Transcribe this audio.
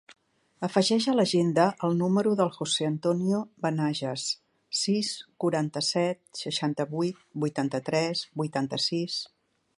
Afegeix a l'agenda el número del José antonio Benages: sis, quaranta-set, seixanta-vuit, vuitanta-tres, vuitanta-sis.